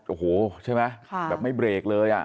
โอ้โหใช่ไหมแบบไม่เบรกเลยอ่ะ